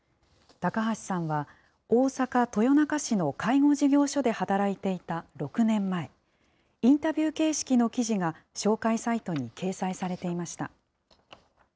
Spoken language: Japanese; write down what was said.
高橋さんは、大阪・豊中市の介護事業所で働いていた６年前、インタビュー形式の記事が紹介サイトに掲載されていました。